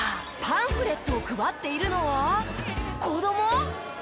パンフレットを配っているのは子ども！？